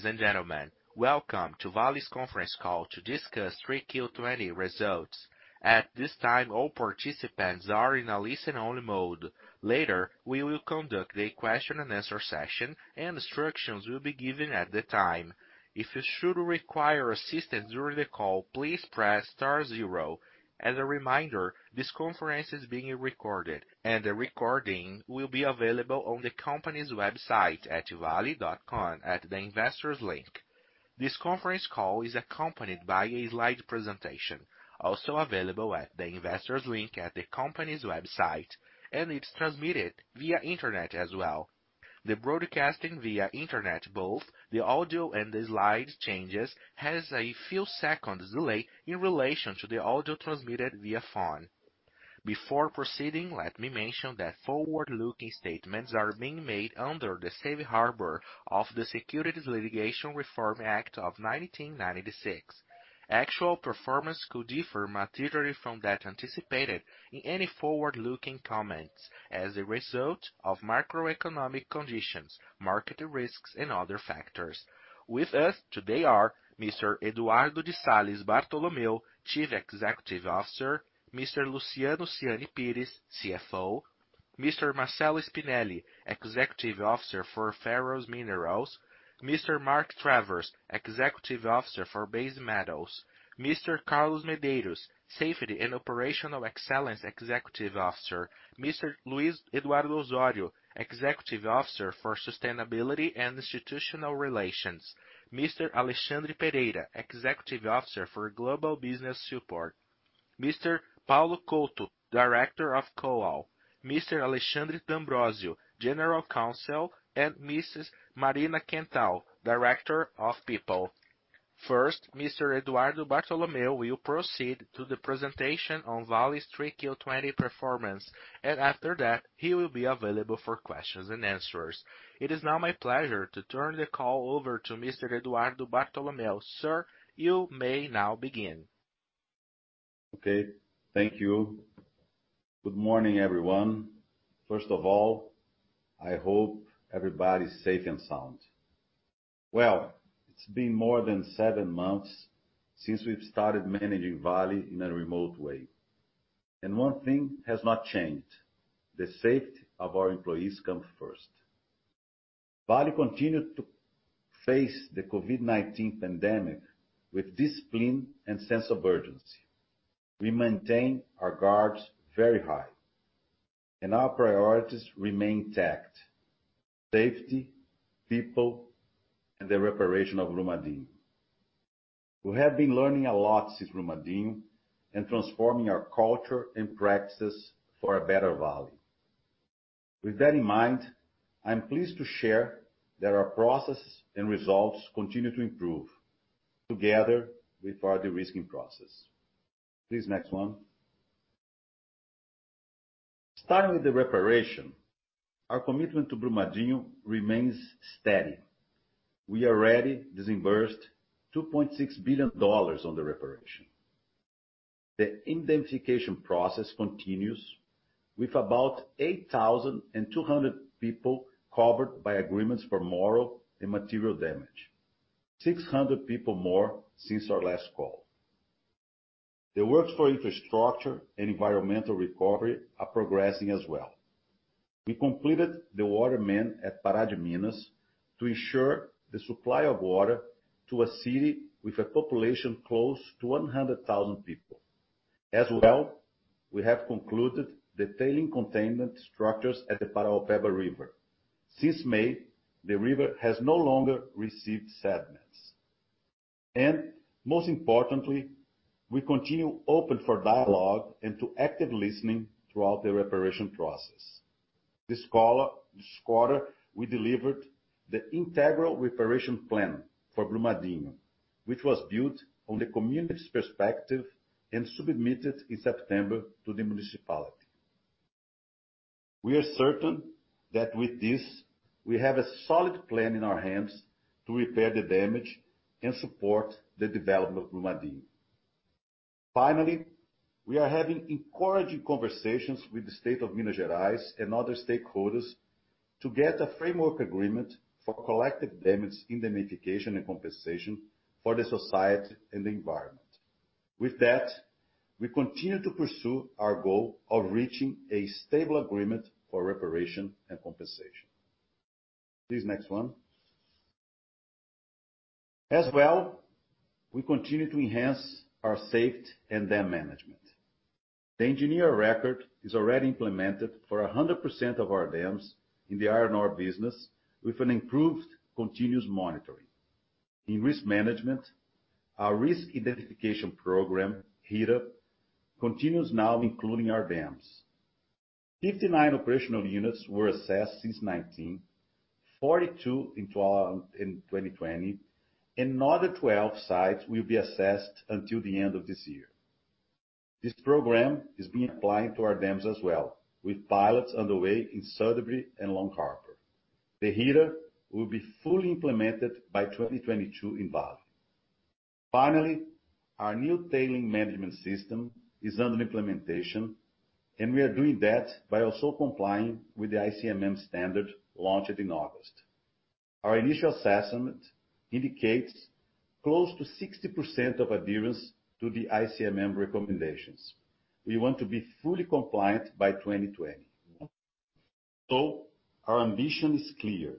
Ladies and gentlemen, welcome to Vale's conference call to discuss 3Q20 results. At this time, all participants are in a listen-only mode. Later, we will conduct the question-and-answer session, and instructions will be given at the time. If you should require assistance during the call, please press star zero. As a reminder, this conference is being recorded, and the recording will be available on the company's website at vale.com at the investors link. This conference call is accompanied by a slide presentation, also available at the investors link at the company's website, and it's transmitted via the internet as well. The broadcasting via internet, both the audio and the slide changes, has a few seconds' delay in relation to the audio transmitted via phone. Before proceeding, let me mention that forward-looking statements are being made under the safe harbor of the Securities Litigation Reform Act of 1996. Actual performance could differ materially from that anticipated in any forward-looking comments as a result of macroeconomic conditions, market risks, and other factors. With us today are Mr. Eduardo de Salles Bartolomeo, Chief Executive Officer; Mr. Luciano Siani Pires, CFO; Mr. Marcello Spinelli, Executive Officer for Ferrous Minerals, Mr. Mark Travers, Executive Officer for Base Metals, Mr. Carlos Medeiros, Safety and Operational Excellence Executive Officer, Mr. Luiz Eduardo Osorio, Executive Officer for Sustainability and Institutional Relations; Mr. Alexandre Pereira, Executive Officer for Global Business Support; Mr. Paulo Couto, Director of Coal; Mr. Alexandre D'Ambrosio, General Counsel; and Mrs. Marina Quental, Director of People. First, Mr. Eduardo Bartolomeo will proceed to the presentation on Vale's 3Q 2020 performance, and after that, he will be available for questions and answers. It is now my pleasure to turn the call over to Mr. Eduardo Bartolomeo. Sir, you may now begin. Okay. Thank you. Good morning, everyone. First of all, I hope everybody's safe and sound. Well, it's been more than seven months since we've started managing Vale in a remote way, and one thing has not changed: the safety of our employees comes first. Vale continued to face the COVID-19 pandemic with discipline and a sense of urgency. We maintain our guards very high, and our priorities remain intact. Safety, people, and the reparation of Brumadinho. We have been learning a lot since Brumadinho and transforming our culture and practices for a better Vale. With that in mind, I'm pleased to share that our processes and results continue to improve together with our de-risking process. Please, the next one. Starting with the reparation, our commitment to Brumadinho remains steady. We already disbursed $2.6 billion on the reparation. The indemnification process continues with about 8,200 people covered by agreements for moral and material damage. 600 people more since our last call. The works for infrastructure and environmental recovery are progressing as well. We completed the water main at Pará de Minas to ensure the supply of water to a city with a population close to 100,000 people. We have concluded the tailing containment structures at the Paraopeba River. Since May, the river has no longer received sediments. Most importantly, we continue to be open for dialogue and active listening throughout the reparation process. This quarter, we delivered the integral reparation plan for Brumadinho, which was built on the community's perspective and submitted in September to the municipality. We are certain that with this, we have a solid plan in our hands to repair the damage and support the development of Brumadinho. We are having encouraging conversations with the state of Minas Gerais and other stakeholders to get a framework agreement for collective damage indemnification and compensation for the society and the environment. We continue to pursue our goal of reaching a stable agreement for reparation and compensation. Please, the next one. We continue to enhance our safety and dam management. The Engineer of Record is already implemented for 100% of our dams in the iron ore business with improved continuous monitoring. In risk management, our Risk Identification Program, RIP, continues now, including our dams. 59 operational units were assessed since 2019, 42 in 2020, and another 12 sites will be assessed until the end of this year. This program is being applied to our dams as well, with pilots underway in Sudbury and Long Harbour. The HIRA will be fully implemented by 2022 in Vale. Our new tailing management system is under implementation, and we are doing that by also complying with the ICMM standard launched in August. Our initial assessment indicates close to 60% of adherence to the ICMM recommendations. We want to be fully compliant by 2020. Our ambition is clear: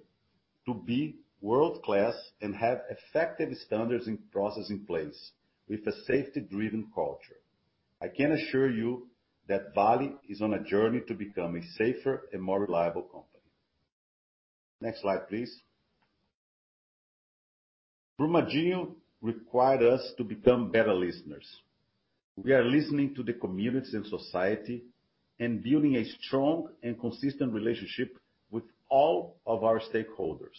to be world-class and have effective standards and processes in place with a safety-driven culture. I can assure you that Vale is on a journey to become a safer and more reliable company. Next slide, please. Brumadinho required us to become better listeners. We are listening to the communities and society and building a strong and consistent relationship with all of our stakeholders.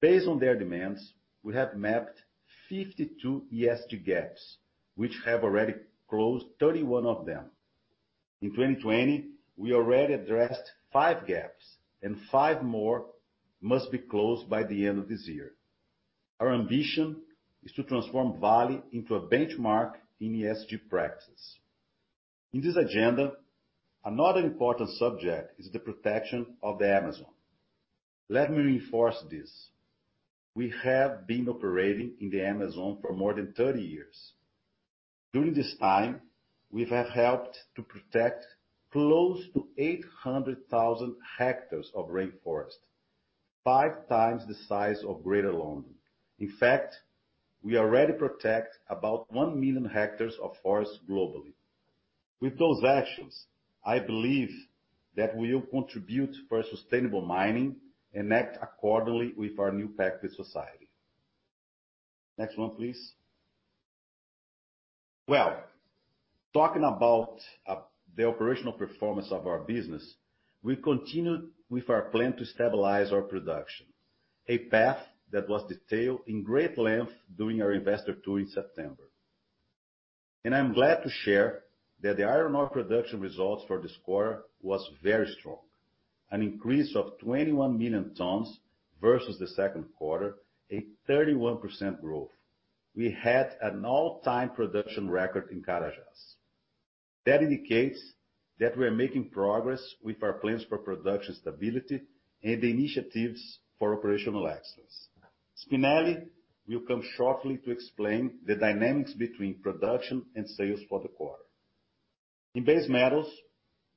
Based on their demands, we have mapped 52 ESG gaps, which have already closed 31 of them. In 2020, we already addressed five gaps, and five more must be closed by the end of this year. Our ambition is to transform Vale into a benchmark in ESG practice. In this agenda, another important subject is the protection of the Amazon. Let me reinforce this. We have been operating in the Amazon for more than 30 years. During this time, we have helped to protect close to 800,000 hectares of rainforest, 5x the size of Greater London. In fact, we already protect about one million hectares of forest globally. With those actions, I believe that we will contribute to sustainable mining and act accordingly with our new pact with society. Next one, please. Well, talking about the operational performance of our business, we continued with our plan to stabilize our production. A path that was detailed in great length during our investor tour in September. I'm glad to share that the iron ore production results for this quarter were very strong. An increase of 21 million tons versus the second quarter, a 31% growth. We had an all-time production record in Carajás. That indicates that we're making progress with our plans for production stability and initiatives for operational excellence. Spinelli will come shortly to explain the dynamics between production and sales for the quarter. In base metals,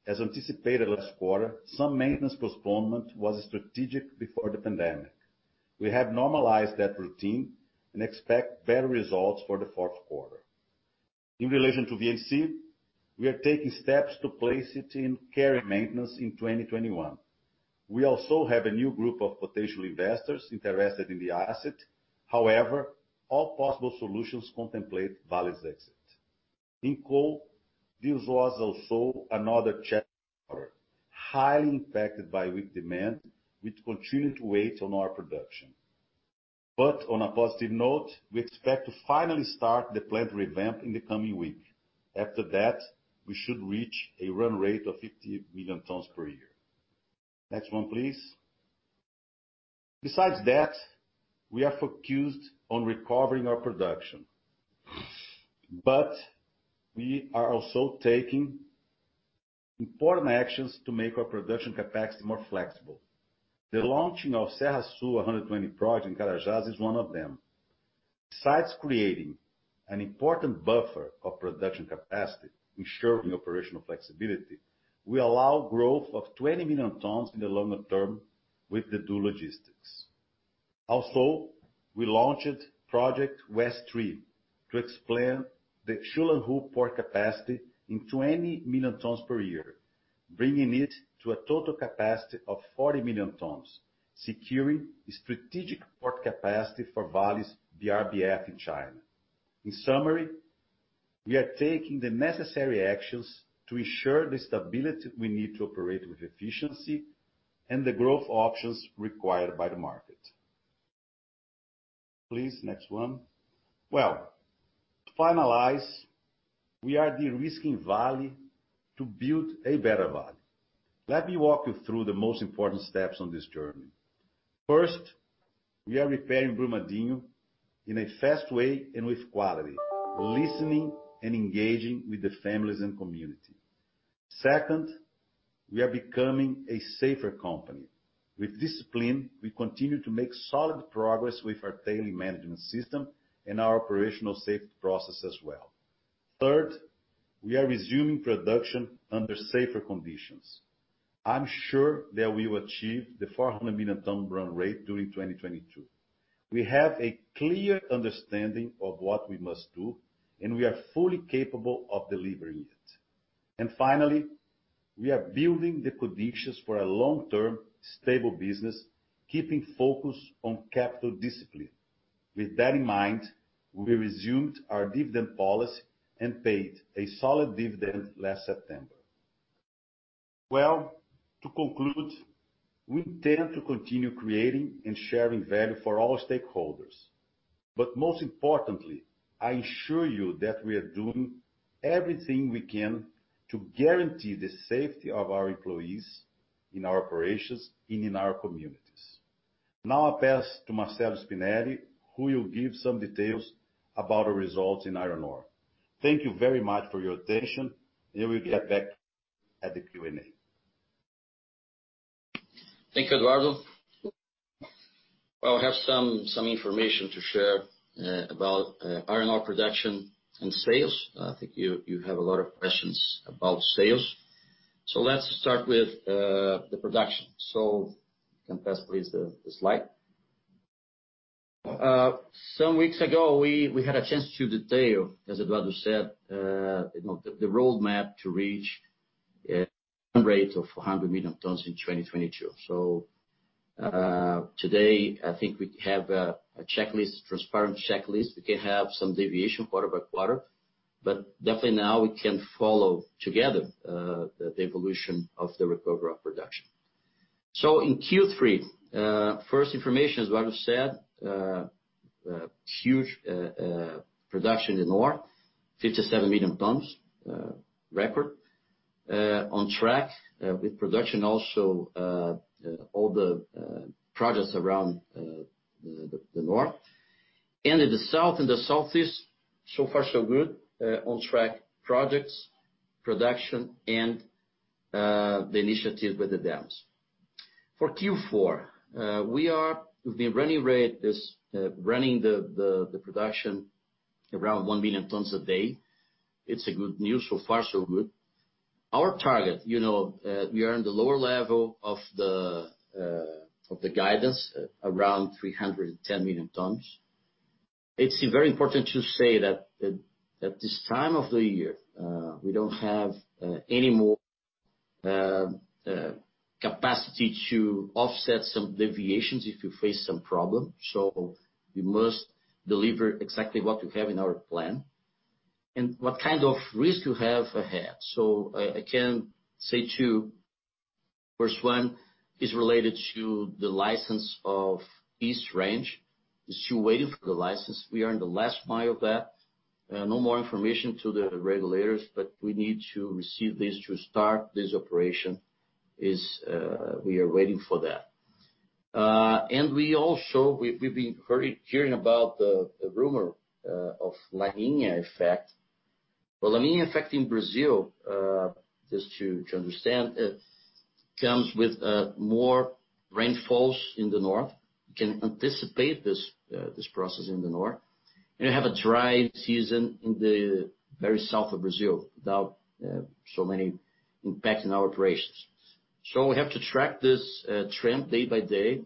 as anticipated last quarter, some maintenance postponement was strategic before the pandemic. We have normalized that routine and expect better results for the fourth quarter. In relation to VNC, we are taking steps to place it in care and maintenance in 2021. We also have a new group of potential investors interested in the asset. All possible solutions contemplate Vale's exit. In coal, this was also another challenging quarter, highly impacted by weak demand, which continued to weigh on our production. On a positive note, we expect to finally start the plant revamp in the coming week. After that, we should reach a run rate of 15 million tons per year. Next one, please. Besides that, we are focused on recovering our production. We are also taking important actions to make our production capacity more flexible. The launching of the Serra Sul 120 project in Carajás is one of them. Besides creating an important buffer of production capacity and ensuring operational flexibility, we allow growth of 20 million tons in the longer term with the due logistics. We launched Project West Three to expand the Shulanghu port capacity to 20 million tons per year, bringing it to a total capacity of 40 million tons, securing strategic port capacity for Vale's BRBF in China. In summary, we are taking the necessary actions to ensure the stability we need to operate with efficiency and the growth options required by the market. Please, the next one. Well, to finalize, we are de-risking Vale to build a better Vale. Let me walk you through the most important steps on this journey. First, we are repairing Brumadinho in a fast way and with quality, listening and engaging with the families and community. Second, we are becoming a safer company. With discipline, we continue to make solid progress with our tailing management system and our operational safety process as well. Third, we are resuming production under safer conditions. I'm sure that we will achieve the 400 million ton run rate during 2022. We have a clear understanding of what we must do, and we are fully capable of delivering it. Finally, we are building the conditions for a long-term, stable business, keeping focus on capital discipline. With that in mind, we resumed our dividend policy and paid a solid dividend last September. Well, to conclude, we intend to continue creating and sharing value for all stakeholders. Most importantly, I assure you that we are doing everything we can to guarantee the safety of our employees in our operations and in our communities. Now I pass to Marcello Spinelli, who will give some details about our results in iron ore. Thank you very much for your attention, and we'll get back at the Q&A. Thank you, Eduardo. Well, I have some information to share about iron ore production and sales. I think you have a lot of questions about sales. Let's start with the production. You can pass, please, the slide. Some weeks ago, we had a chance to detail, as Eduardo said, the roadmap to reach a run rate of 100 million tons in 2022. Today, I think we have a transparent checklist. We can have some deviation quarter by quarter, but definitely now we can follow together the evolution of the recovery of production. In Q3, the first information, as Eduardo said, was a huge production of ore, 57 million tons, a record. On track with production also all the projects around the North. In the South and the Southeast, so far so good. On track projects, production, and the initiative with the dams. For Q4, the running rate is running the production around 1 million tons a day. It's good news. Far, so good. Our target is in the lower level of the guidance, around 310 million tons. It's very important to say that at this time of the year, we don't have any more capacity to offset some deviations if we face some problem. We must deliver exactly what we have in our plan. What kind of risk do you have ahead? I can say two. First one is related to the license of East Range, which is to wait for the license. We are in the last mile of that. No more information to the regulators; we need to receive this to start this operation, is we are waiting for that. We also, we've been hearing about the rumor of the La Niña effect. Well, the La Niña effect in Brazil, just to understand, comes with more rainfalls in the North. We can anticipate this process in the North. And we have a dry season in the very south of Brazil without so much impact on our operations. We have to track this trend day by day.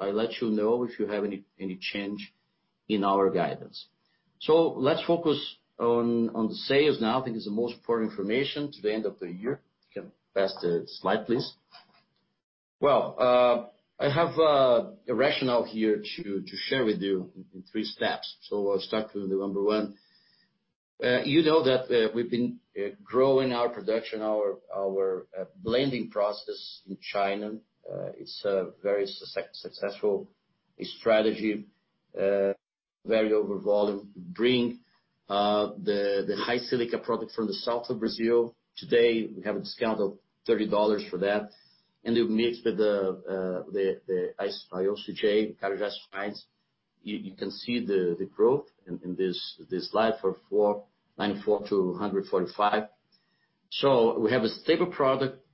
I'll let you know if we have any change in our guidance. Let's focus on the sales now; I think is the most important information to the end of the year. You can pass the slide, please. Well, I have a rationale here to share with you in three steps. I'll start with the number one. You know that we've been growing our production, our blending process in China. It's a very successful strategy, very over volume, bringing the high silica product from the south of Brazil. Today, we have a discount of BRL 30 for that. We've mixed with the IOCJ, Carajás fines. You can see the growth in this slide 4, 94-145. We have a stable product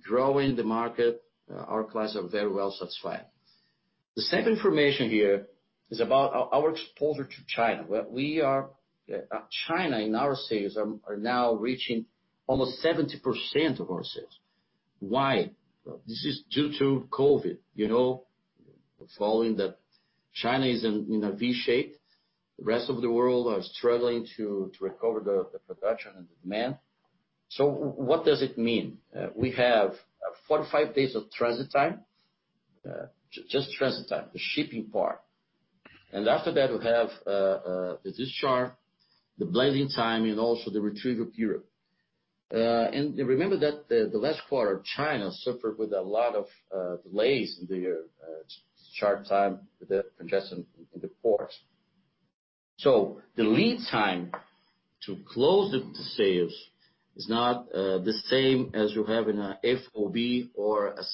growing the market. Our clients are very well satisfied. The second piece of information here is about our exposure to China. China in our sales is now reaching almost 70% of our sales. Why? This is due to COVID. Following that, China is in a V shape; the rest of the world is struggling to recover the production and the demand. What does it mean? We have 45 days of transit time, just transit time, the shipping part. After that, we have the discharge, the blending time, and also the retrieval period. Remember that in the last quarter, China suffered a lot of delays in the charter time with the congestion in the ports. The lead time to close the sales is not the same as you have in an FOB or a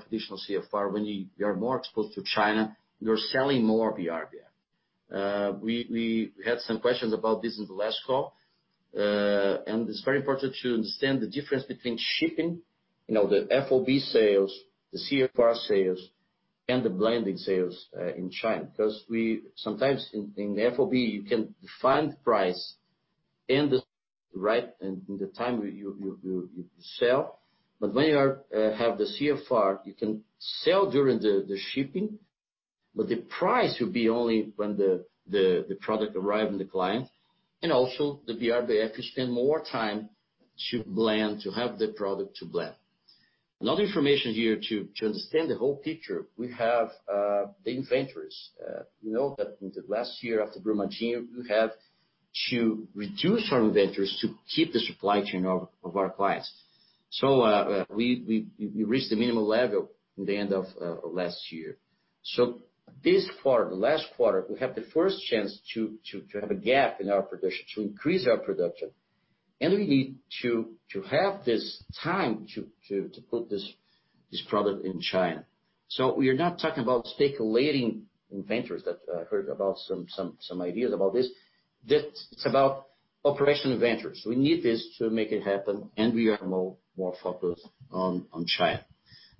traditional CFR. When you are more exposed to China, you're selling more BRBF. We had some questions about this in the last call. It's very important to understand the difference between shipping, the FOB sales, the CFR sales, and the blending sales in China. We sometimes, in FOB, you can define the price in the right time you sell. When you have the CFR, you can sell during the shipping, but the price will be only when the product arrives to the client. Also the BRBF, you spend more time to blend, to have the product to blend. Another piece of information here to understand the whole picture is that we have the inventories. You know that in the last year after Brumadinho, we had to reduce our inventories to keep the supply chain of our clients. We reached the minimum level at the end of last year. This quarter, the last quarter, we have the first chance to have a gap in our production, to increase our production. We need to have this time to put this product in China. We are not talking about speculating inventories that I heard some ideas about this. That it's about operational inventories. We need this to make it happen, and we are now more focused on China.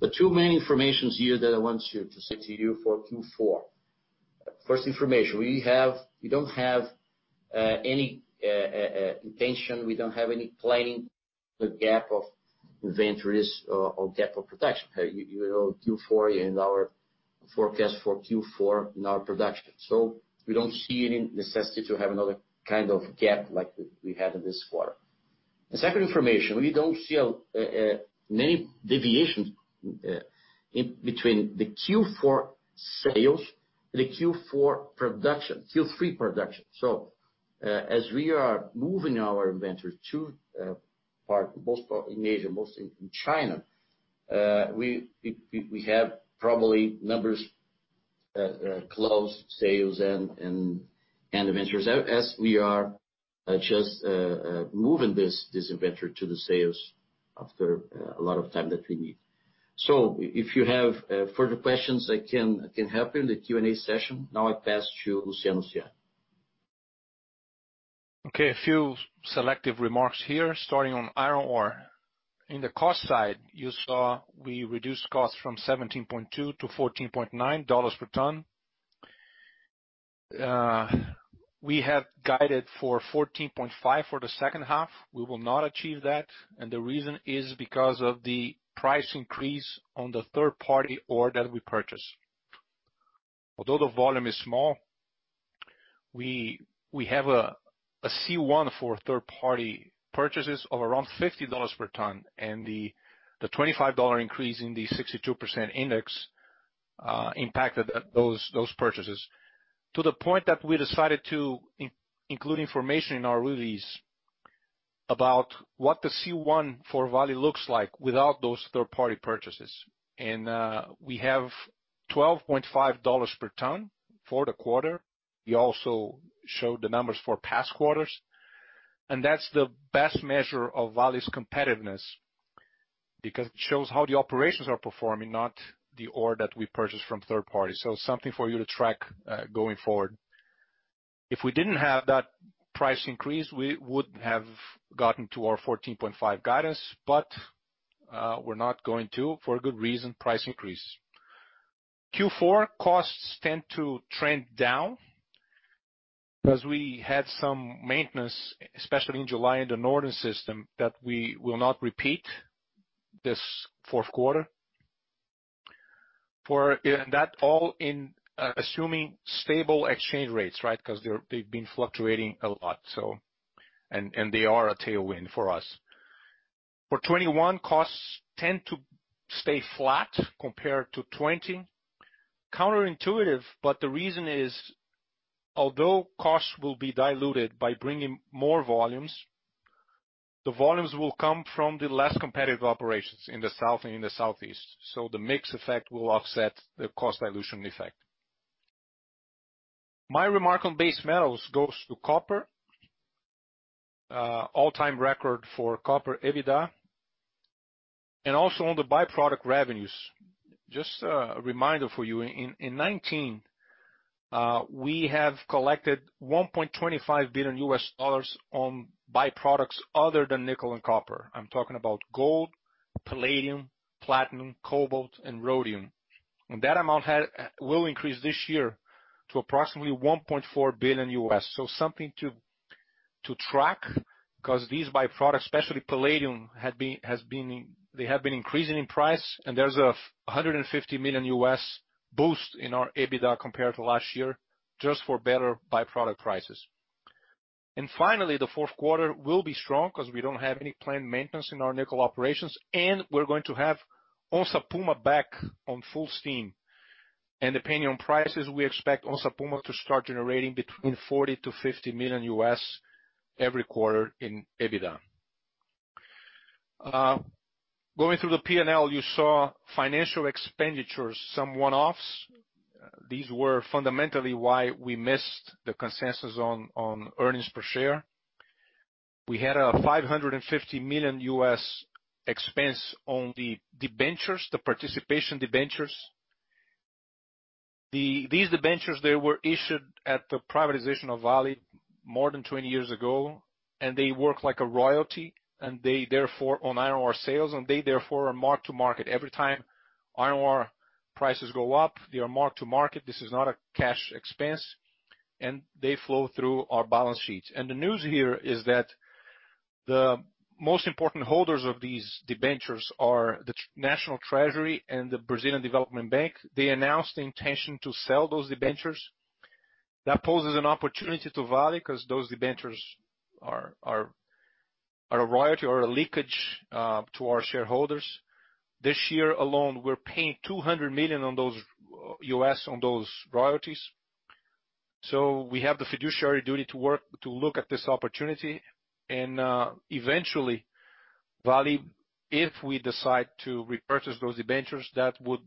The two main pieces of information here that I want to say to you for Q4. First information: we don't have any intention; we don't have any planning for for the gap of inventories or the gap of production. You know Q4 and our forecast for Q4 in our production. We don't see any necessity to have another kind of gap like we had in this quarter. The second piece of information is that we don't see many deviations between the Q4 sales and the Q4 production and Q3 production. As we are moving our inventory to most part in Asia, mostly in China, we probably have numbers close to sales and inventories, as we are just moving this inventory to the sales after a lot of time that we need. If you have further questions, I can help you in the Q&A session. I pass to Luciano Siani. Okay. A few selective remarks here, starting on iron ore. On the cost side, you saw we reduced costs from BRL 17.2-BRL 14.9 per ton. We have guided for 14.5 for the second half. We will not achieve that; the reason is because of the price increase on the third-party ore that we purchase. Although the volume is small, we have a C1 for third-party purchases of around BRL 50 per ton, the BRL 25 increase in the 62% index impacted those purchases to the point that we decided to include information in our release about what the C1 for Vale looks like without those third-party purchases. We have BRL 12.50 per ton for the quarter. We also showed the numbers for past quarters. That's the best measure of Vale's competitiveness because it shows how the operations are performing, not the ore that we purchase from third parties. Something for you to track going forward. If we didn't have that price increase, we would have gotten to our 14.5 guidance, but we're not going to for a good reason, price increase. Q4 costs tend to trend down because we had some maintenance, especially in July in the northern system, that we will not repeat this fourth quarter. That's all assuming stable exchange rates, right? Because they've been fluctuating a lot, and they are a tailwind for us. For 2021, costs tend to stay flat compared to 2020. Counterintuitive, the reason is, although costs will be diluted by bringing more volumes, the volumes will come from the less competitive operations in the south and in the southeast. The mix effect will offset the cost dilution effect. My remark on base metals goes to copper, an all-time record for copper EBITDA, and also on the by-product revenues. Just a reminder for you, in 2019, we have collected $1.25 billion on by-products other than nickel and copper. I'm talking about gold, palladium, platinum, cobalt, and rhodium. That amount will increase this year to approximately $1.4 billion. Something to track because these by-products, especially palladium, have been increasing in price, and there's a $150 million boost in our EBITDA compared to last year just for better by-product prices. Finally, the fourth quarter will be strong because we don't have any planned maintenance in our nickel operations, and we're going to have Onça Puma back on full steam. Depending on prices, we expect Onça Puma to start generating between $40 million-$50 million every quarter in EBITDA. Going through the P&L, you saw financial expenditures, some one-offs. These were fundamentally why we missed the consensus on earnings per share. We had a $550 million expense on the debentures, the participation debentures. These debentures were issued at the privatization of Vale more than 20 years ago; they work like a royalty on iron ore sales, and they therefore are marked to market every time iron ore prices go up. They are marked to market. This is not a cash expense. They flow through our balance sheets. The news here is that the most important holders of these debentures are the National Treasury and the Brazilian Development Bank. They announced the intention to sell those debentures. That poses an opportunity to Vale because those debentures are a royalty or a leakage to our shareholders. This year alone, we are paying $200 million on those royalties. We have the fiduciary duty to work, to look at this opportunity, and eventually, Vale, if we decide to repurchase those debentures, that would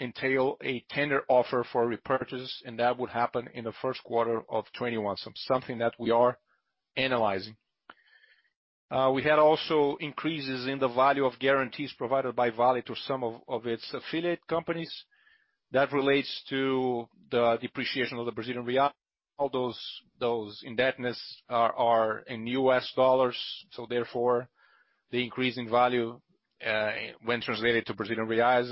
entail a tender offer for repurchase, and that would happen in the first quarter of 2021. Something that we are analyzing. We also had increases in the value of guarantees provided by Vale to some of its affiliate companies. That relates to the depreciation of the Brazilian real. All those debts are in US dollars. Therefore, the increase in value, when translated to Brazilian reais,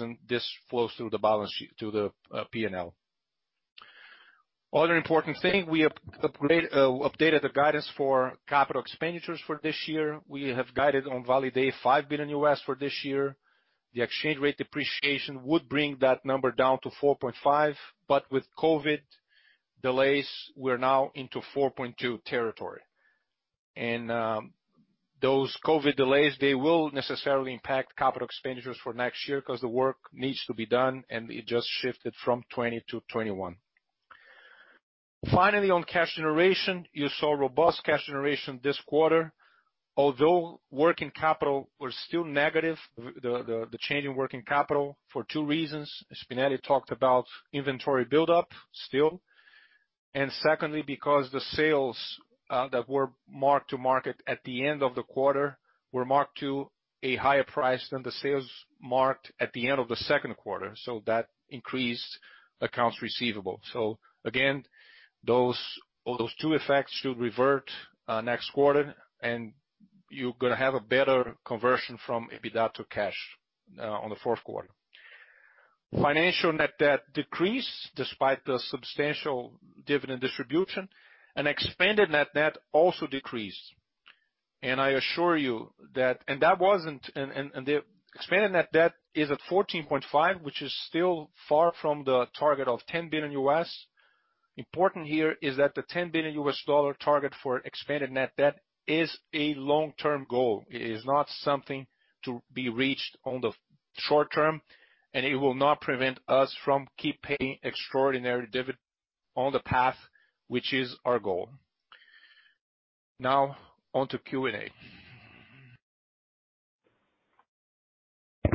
flows through the balance sheet to the P&L. Another important thing: we updated the guidance for capital expenditures for this year. We have guided on Vale Day $5 billion for this year. The exchange rate depreciation would bring that number down to 4.5, but with COVID delays, we're now into 4.2 territory. Those COVID delays, they will necessarily impact capital expenditures for next year because the work needs to be done, and it just shifted from 2020-2021. Finally, on cash generation, you saw robust cash generation this quarter. Although working capital was still negative, the change in working capital was for two reasons. Spinelli talked about inventory buildup still. Secondly, because the sales that were marked to market at the end of the quarter were marked to a higher price than the sales marked at the end of the second quarter. That increased accounts receivable. Again, those two effects should revert next quarter, and you're going to have a better conversion from EBITDA to cash in the fourth quarter. Financial net debt decreased despite the substantial dividend distribution, and expanded net debt also decreased. The expanded net debt is at 14.5, which is still far from the target of $10 billion. Important here is that the $10 billion target for expanded net debt is a long-term goal. It is not something to be reached in the short term, and it will not prevent us from keeping on paying extraordinary dividends on the path, which is our goal. On to Q&A.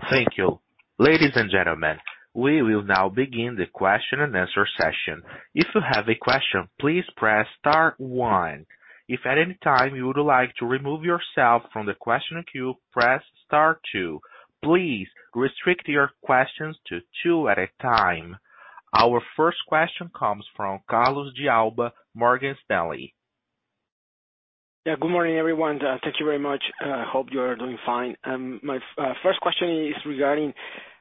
Thank you. Ladies and gentlemen, we will now begin the question-and-answer session. Our first question comes from Carlos de Alba, Morgan Stanley. Yeah. Good morning, everyone. Thank you very much. Hope you are doing fine. My first question is regarding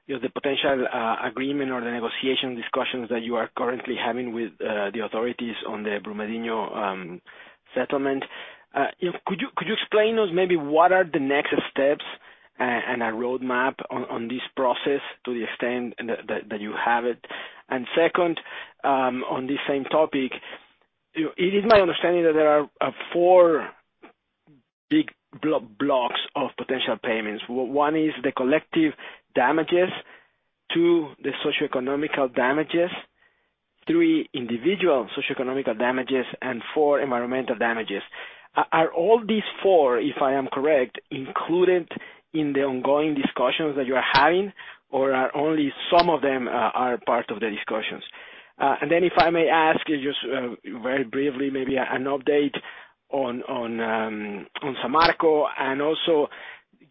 the potential agreement or the negotiation discussions that you are currently having with the authorities on the Brumadinho settlement. Could you explain to us maybe what the next steps are and a roadmap on this process to the extent that you have it? Second, on this same topic, it is my understanding that there are four big blocks of potential payments. One is the collective damages; two, the socioeconomical damages; three, individual socioeconomical damages; and four, environmental damages. Are all four of these, if I am correct, included in the ongoing discussions that you are having, or are only some of them part of the discussions? Then if I may ask you just very briefly, maybe an update on Samarco, also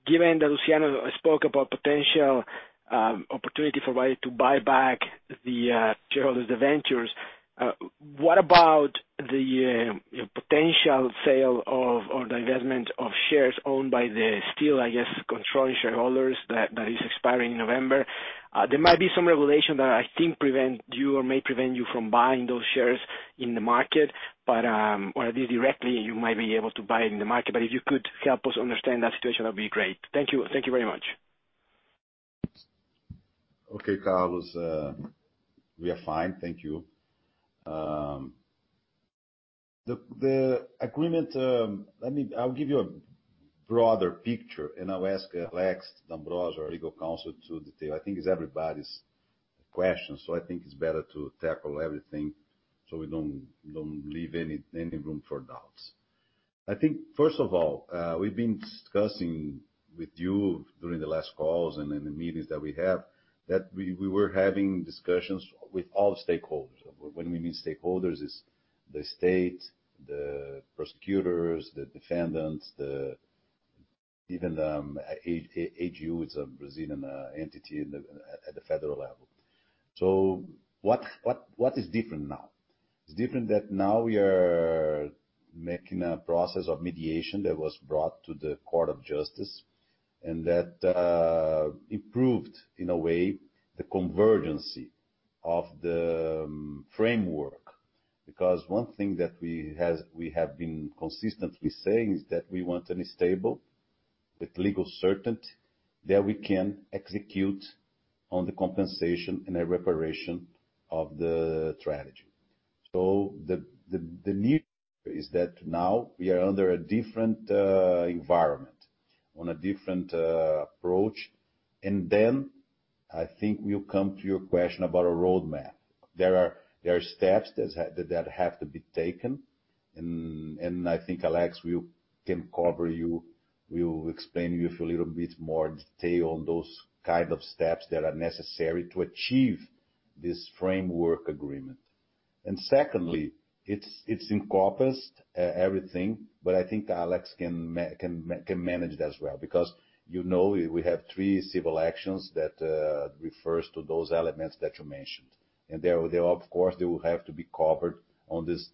given that Luciano spoke about a potential opportunity for Vale to buy back the shareholders' debentures, what about the potential sale of, or divestment of shares owned by the still, I guess, controlling shareholders that is expiring in November? There might be some revelation that I think prevents you or may prevent you from buying those shares in the market, but, or at least directly, you might be able to buy it in the market. If you could help us understand that situation, that'd be great. Thank you very much. Okay, Carlos. We are fine. Thank you. The agreement, I'll give you a broader picture, and I'll ask Alex D'Ambrosio, our legal counsel, to detail. I think it's everybody's question, so I think it's better to tackle everything so we don't leave any room for doubts. I think, first of all, we've been discussing with you during the last calls and in the meetings that we have that we were having discussions with all stakeholders. When we mean stakeholders is the state, the prosecutors, the defendants, and even the AGU. It's a Brazilian entity at the federal level. What is different now? It's different that now we are making a process of mediation that was brought to the Court of Justice, and that improved, in a way, the convergency of the framework. One thing that we have been consistently saying is that we want a stable With legal certainty that we can execute on the compensation and the reparation of the tragedy. The need is that now we are under a different environment, on a different approach. I think we'll come to your question about a roadmap. There are steps that have to be taken, and I think Alex can cover you. We'll explain to you with a little bit more detail on those kinds of steps that are necessary to achieve this framework agreement. Secondly, it's encompassed everything, but I think Alex can manage that as well. You know we have three civil actions that refer to those elements that you mentioned, and they, of course, will have to be covered in this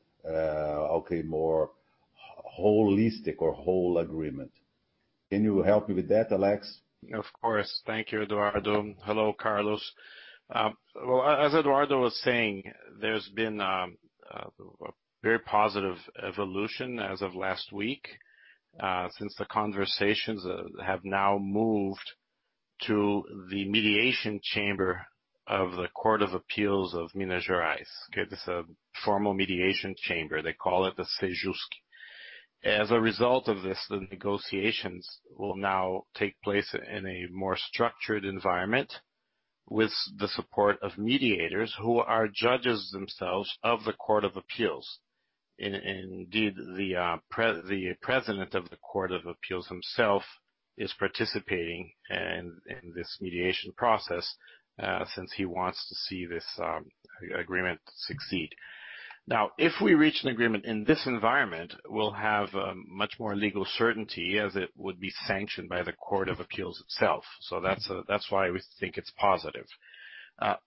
more holistic or whole agreement. Can you help me with that, Alex? Of course. Thank you, Eduardo. Hello, Carlos. Well, as Eduardo was saying, there's been a very positive evolution as of last week, since the conversations have now moved to the mediation chamber of the Court of Appeals of Minas Gerais. Okay? This is a formal mediation chamber. They call it the CEJUSC. As a result of this, the negotiations will now take place in a more structured environment with the support of mediators who are judges themselves of the Court of Appeals. Indeed, the president of the Court of Appeals himself is participating in this mediation process, since he wants to see this agreement succeed. Now, if we reach an agreement in this environment, we'll have much more legal certainty as it would be sanctioned by the Court of Appeals itself. That's why we think it's positive.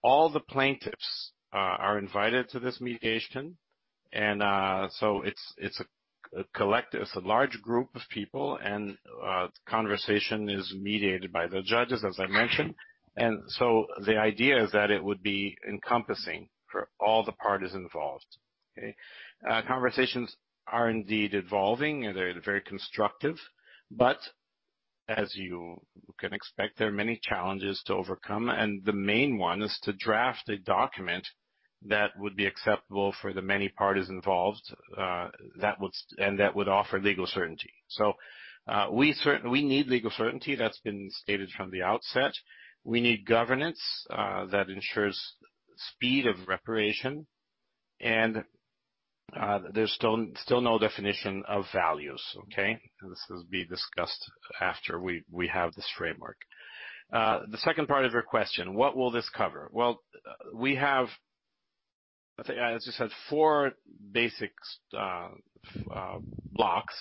All the plaintiffs are invited to this mediation, and so it's a large group of people, and conversation is mediated by the judges, as I mentioned. The idea is that it would be encompassing for all the parties involved. Okay. Conversations are indeed evolving, and they're very constructive. As you can expect, there are many challenges to overcome, and the main one is to draft a document that would be acceptable for the many parties involved and that would offer legal certainty. We need legal certainty that's been stated from the outset. We need governance that ensures speed of reparation, and there's still no definition of values. Okay. This will be discussed after we have this framework. The second part of your question: what will this cover? Well, we have, as you said, four basic blocks.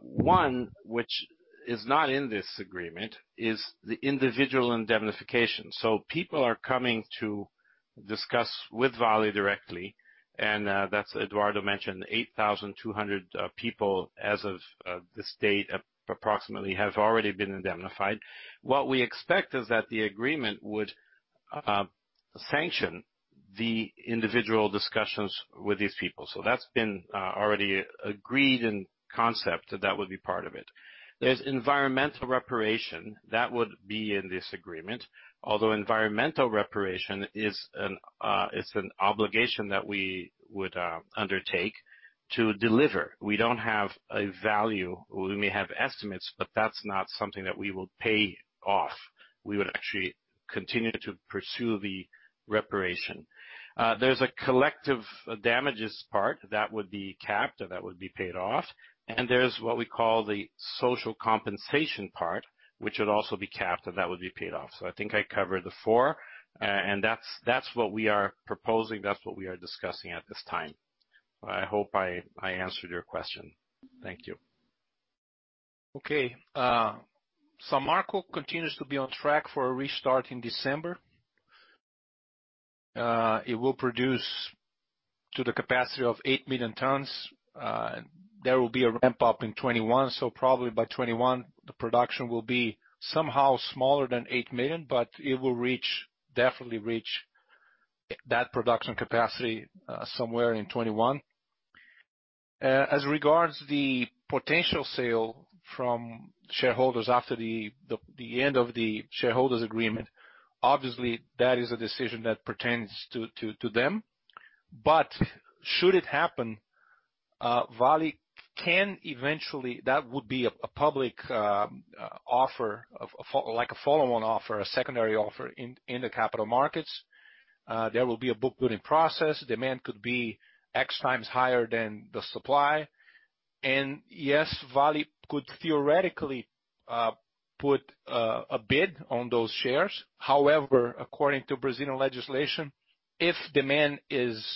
One that is not in this agreement is the individual indemnification. People are coming to discuss with Vale directly, and Eduardo mentioned 8,200 people as of this date have already been indemnified. What we expect is that the agreement would sanction the individual discussions with these people. That's already been agreed in concept that that would be part of it. There's environmental reparation that would be in this agreement, although environmental reparation it's an obligation that we would undertake to deliver. We don't have a value. We may have estimates, but that's not something that we will pay off. We would actually continue to pursue the reparation. There's a collective damages part that would be capped and that would be paid off, and there's what we call the social compensation part, which would also be capped and that would be paid off. I think I covered the four, and that's what we are proposing. That's what we are discussing at this time. I hope I answered your question. Thank you. Okay. Samarco continues to be on track for a restart in December. It will produce to the capacity of 8 million tons. There will be a ramp up in 2021, so probably by 2021, the production will be somehow smaller than 8 million, but it will definitely reach that production capacity somewhere in 2021. As regards the potential sale from shareholders after the end of the shareholders' agreement, obviously that is a decision that pertains to them. Should it happen, Vale can eventually, that would be a public offer, like a follow-on offer, a secondary offer in the capital markets. There will be a book-building process. Demand could be X times higher than the supply. Yes, Vale could theoretically put a bid on those shares. However, according to Brazilian legislation, if demand is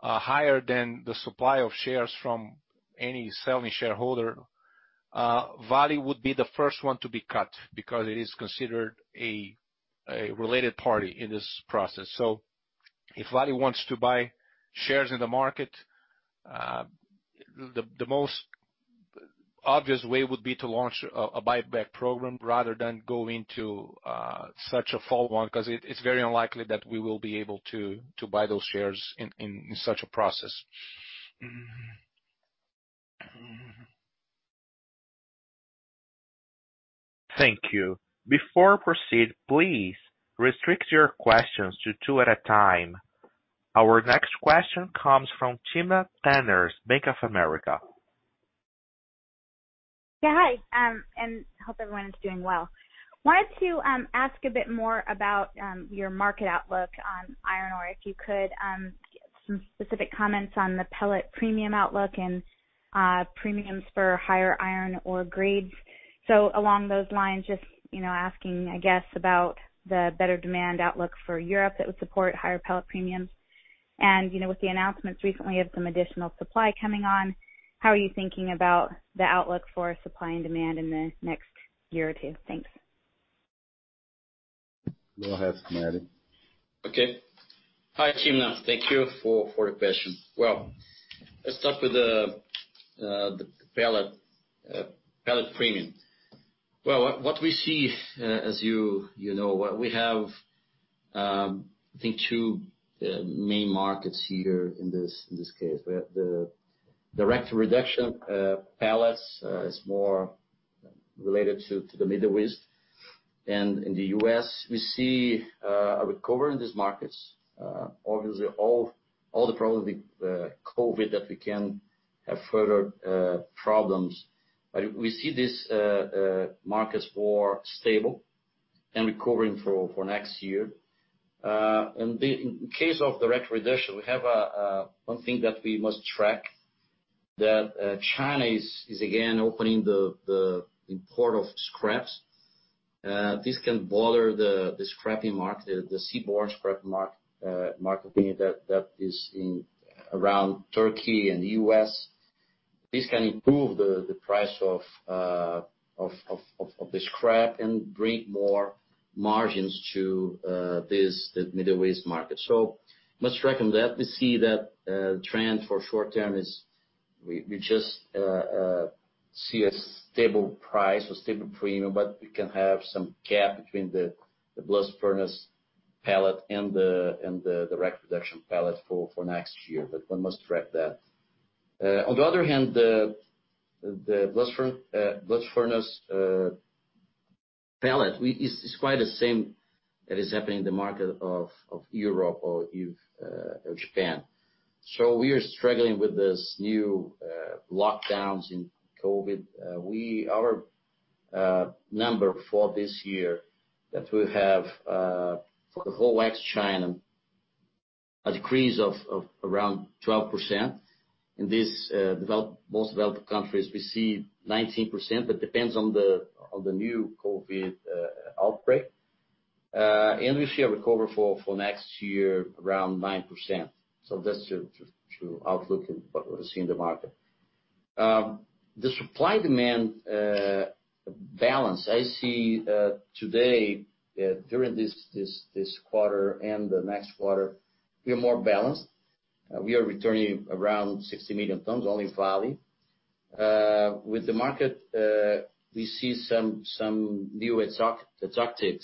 higher than the supply of shares from any selling shareholder, Vale would be the first one to be cut because it is considered a related party in this process. If Vale wants to buy shares in the market, the most obvious way would be to launch a buyback program rather than go into such a follow-on, because it is very unlikely that we will be able to buy those shares in such a process. Thank you. Before we proceed, please restrict your questions to two at a time. Our next question comes from Timna Tanners, Bank of America. Yeah, hi. Hope everyone is doing well. Wanted to ask a bit more about your market outlook on iron ore, if you could, some specific comments on the pellet premium outlook and premiums for higher iron ore grades. Along those lines, just asking, I guess, about the better demand outlook for Europe that would support higher pellet premiums. With the announcements recently of some additional supply coming on, how are you thinking about the outlook for supply and demand in the next year or two? Thanks. Go ahead, Spinelli. Okay. Hi, Timna. Thank you for the question. Well, let's start with the pellet premium. Well, what we see, as you know, we have, I think, two main markets here in this case. We have the direct reduction pellets. It's more related to the Middle East. In the U.S., we see a recovery in these markets. Obviously, all the problems with COVID can have further problems. We see these markets as more stable and recovering for next year. In case of direct reduction, we have one thing that we must track: that China is again opening the import of scraps. This can bother the scrap market, the seaborne scrap market that is around Turkey and the U.S. This can improve the price of the scrap and bring more margins to the Middle East market. Must reckon that. We see that the trend for the short term is that we just see a stable price or stable premium, but we can have some gap between the blast furnace pellet and the direct reduction pellet for next year. One must track that. On the other hand, the blast furnace pellet is quite the same as what is happening in the markets of Europe or Japan. We are struggling with these new lockdowns in COVID. Our number for this year that we have, for the whole of ex-China, is a decrease of around 12%. In these most developed countries, we see 19%, but it depends on the new COVID outbreak. We see a recovery for next year around 9%. That's your outlook and what we see in the market. The supply-demand balance I see today during this quarter and the next quarter is more balanced. We are returning around 60 million tons only in Vale. With the market, we see some new attractive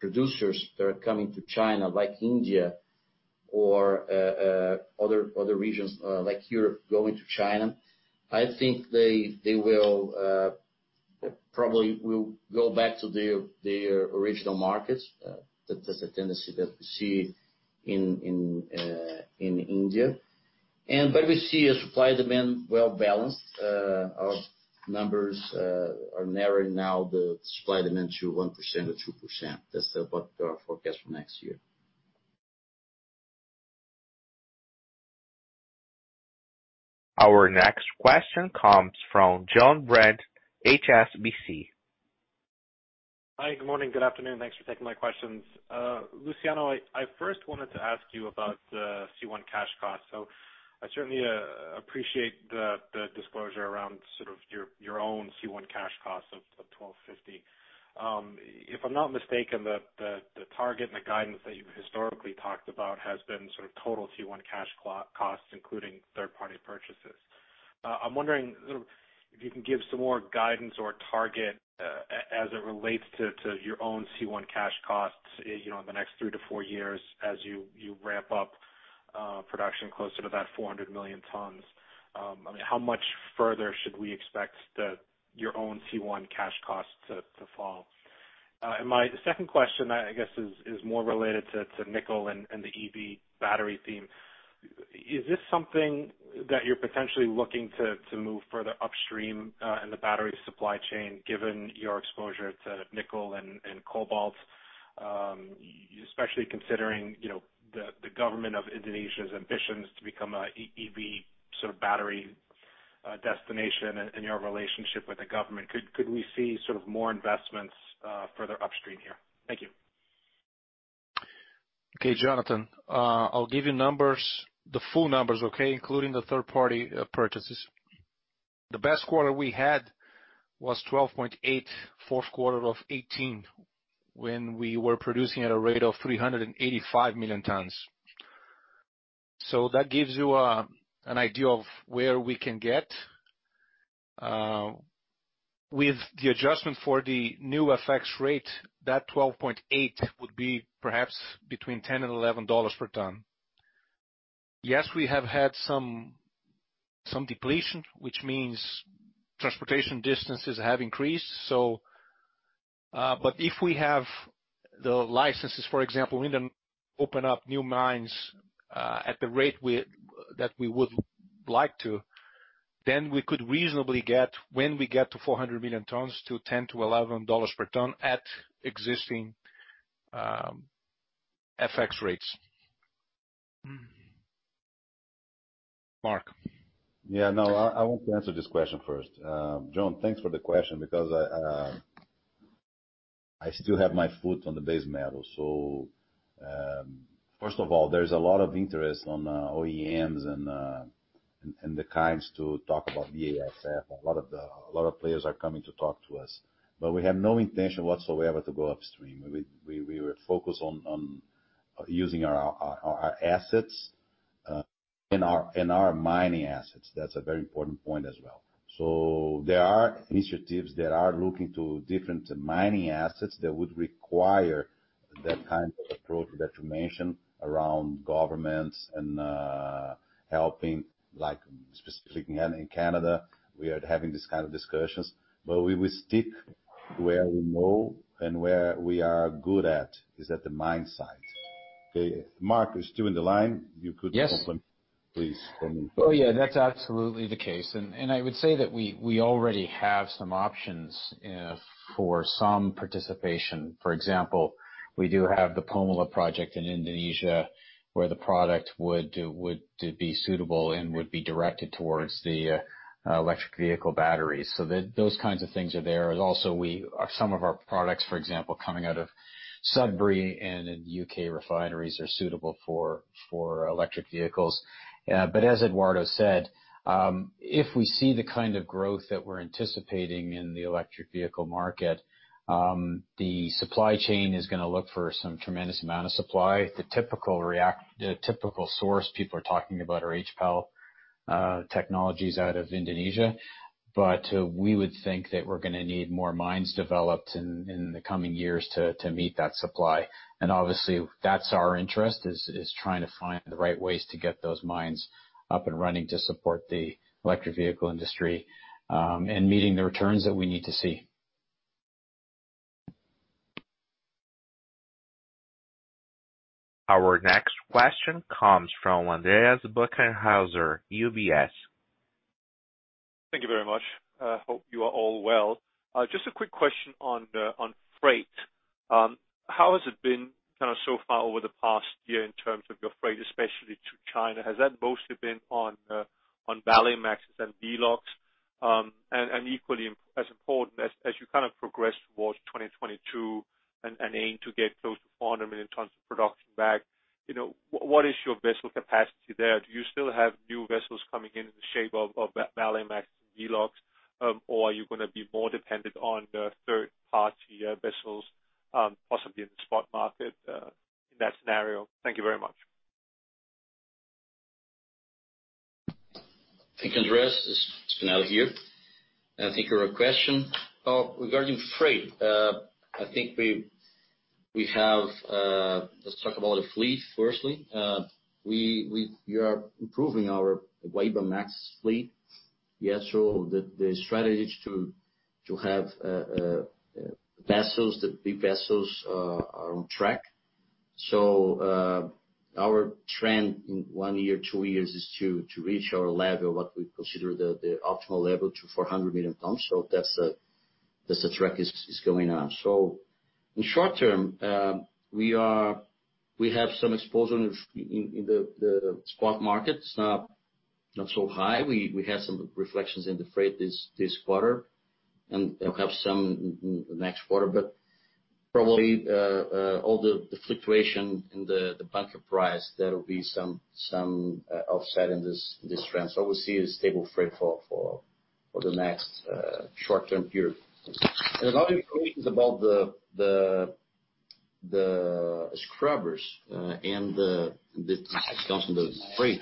producers that are coming to China, like India or other regions like Europe going to China. I think they probably will go back to their original markets. That's a tendency that we see in India. But we see a supply demand well-balanced. Our numbers are narrowing now the supply demand to 1% or 2%. That's our forecast for next year. Our next question comes from Jonathan Brandt, HSBC. Hi, good morning. Good afternoon. Thanks for taking my questions. Luciano, I first wanted to ask you about the C1 cash cost. I certainly appreciate the disclosure around your own C1 cash costs of 12.50. If I'm not mistaken, the target and the guidance that you've historically talked about have been sort of total C1 cash costs, including third-party purchases. I'm wondering if you can give some more guidance or targets as they relate to your own C1 cash costs in the next three to four years as you ramp up production closer to that 400 million tons. How much further should we expect your own C1 cash costs to fall? My second question, I guess, is more related to nickel and the EV battery theme. Is this something that you're potentially looking to move further upstream in the battery supply chain given your exposure to nickel and cobalt? Especially considering the government of Indonesia's ambitions to become an EV sort of battery destination and your relationship with the government. Could we see sort of more investments further upstream here? Thank you. Okay, Jonathan, I'll give you the full numbers, okay? Including the third-party purchases. The best quarter we had was $12.8, the fourth quarter of 2018, when we were producing at a rate of 385 million tons. That gives you an idea of where we can get. With the adjustment for the new FX rate, that $12.8 would be perhaps between $10 and $11 per ton Yes, we have had some depletion, which means transportation distances have increased. If we have the licenses, for example, and we then open up new mines at the rate that we would like to, then we could reasonably get, when we get to 400 million tons, BRL 10-BRL 11 per ton at existing FX rates. Mark. Yeah, no, I want to answer this question first. John, thanks for the question because I still have my foot on the base metal. First of all, there's a lot of interest in OEMs and the kinds to talk about BASF. A lot of players are coming to talk to us. We have no intention whatsoever to go upstream. We would focus on using our assets and our mining assets. That's a very important point as well. There are initiatives that are looking at different mining assets that would require that kind of approach that you mentioned around governments and helping; like specifically in Canada, we are having these kinds of discussions, but we will stick where we know and where we are good at, which is at the mine site. Mark, you're still in the line? Yes Please comment. Oh yeah, that's absolutely the case. I would say that we already have some options for some participation. For example, we do have the Pomalaa project in Indonesia, where the product would be suitable and would be directed towards the electric vehicle batteries. Those kinds of things are there. Also, some of our products, for example, are coming out of Sudbury and in the U.K. refineries are suitable for electric vehicles. As Eduardo said, if we see the kind of growth that we're anticipating in the electric vehicle market, the supply chain is going to look for some tremendous amount of supply. The typical source people are talking about is HPAL technologies out of Indonesia. We would think that we're going to need more mines developed in the coming years to meet that supply. Obviously that's our interest, trying to find the right ways to get those mines up and running to support the electric vehicle industry and meet the returns that we need to see. Our next question comes from Andreas Bokkenheuser, UBS. Thank you very much. Hope you are all well. Just a quick question on freight. How has it been kind of so far over the past year in terms of your freight, especially to China? Has that mostly been on Valemax and VLOCs? Equally as important as you kind of progress towards 2022 and aim to get close to 400 million tons of production back, what is your vessel capacity there? Do you still have new vessels coming in the shape of that Valemax and VLOCs, or are you going to be more dependent on the third-party vessels, possibly in the spot market, in that scenario? Thank you very much. Thank you, Andreas. It's Spinelli here. Thank you for your question. Regarding freight, let's talk about the fleet firstly. We are improving our Valemax fleet. The strategy to have big vessels is on track. Our trend in one year, two years is to reach our level, what we consider the optimal level, to 400 million tons. That's the track it's going on. In the short term, we have some exposure in the spot markets, not so high. We have some reflections in the freight this quarter, and we'll have some next quarter. Probably all the fluctuation in the bunker price; there'll be some offset in this trend. We'll see a stable freight for the next short-term period. There's a lot of information about the scrubbers and the freight.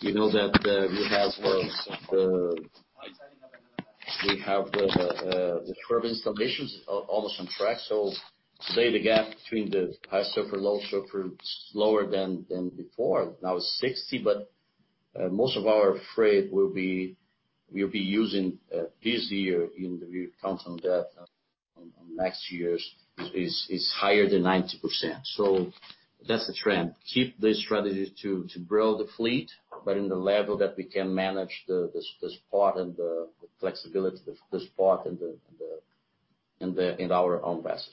You know that we have the scrubber installations almost on track. Today the gap between the high sulfur and low sulfur is lower than before. Now it's 60, but most of our freight will be used this year, and the view count on that, on next year's, is higher than 90%. That's the trend. Keep the strategy to grow the fleet, but at the level that we can manage the spot and the flexibility, the spot in our own vessels.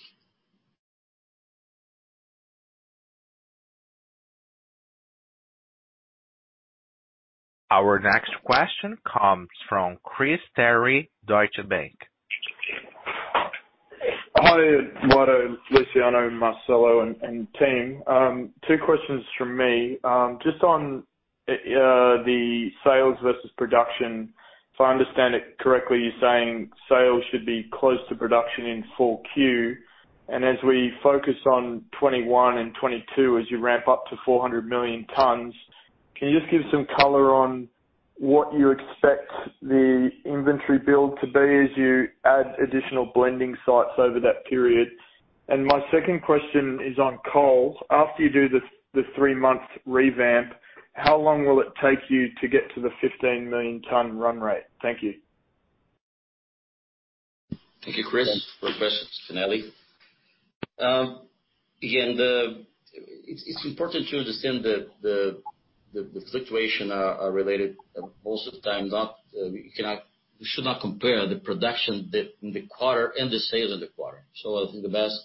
Our next question comes from Chris Terry, Deutsche Bank. Hi Eduardo, Luciano, Marcello, and team. Two questions from me. Just on the sales versus production. If I understand it correctly, you're saying sales should be close to production in full quarter. As we focus on 2021 and 2022, as you ramp up to 400 million tons, can you just give some color on what you expect the inventory build to be as you add additional blending sites over that period? My second question is on coal. After you do the three-month revamp, how long will it take you to get to the 15 million ton run rate? Thank you. Thank you, Chris, for the questions. Spinelli. It's important to understand the fluctuations are related most of the time. We should not compare the production in the quarter and the sales in the quarter. I think the best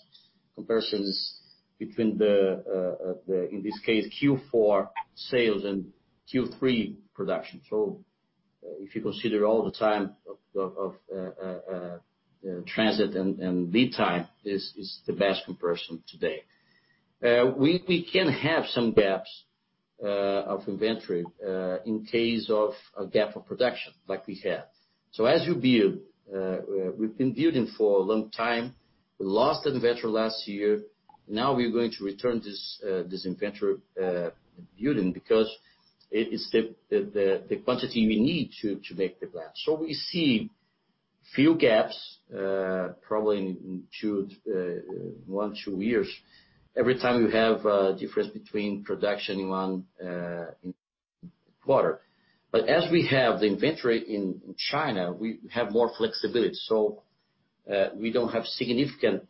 comparison is between the, in this case, Q4 sales and Q3 production. If you consider all the time of transit, the lead time is the best comparison today. We can have some gaps in inventory in case of a gap in production like we had. As you build, we've been building for a long time. We lost the inventory last year. Now we're going to return this inventory building because it is the quantity we need to make the blend. We see few gaps, probably in one or two years, every time you have a difference between production in one quarter. As we have the inventory in China, we have more flexibility. We don't have a significant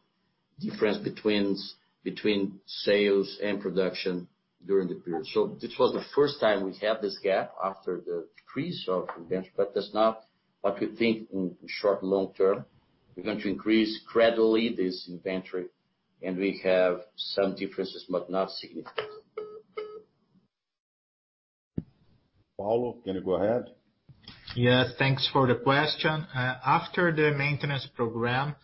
difference between sales and production during the period. This was the first time we had this gap after the decrease of inventory, but that's not what we think in the short or long term. We're going to increase this inventory gradually, and we have some differences, but not significant ones. Paulo, can you go ahead? Yeah. Thanks for the question. After the maintenance program,